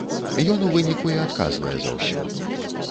Ён у выніку і адказвае за ўсё.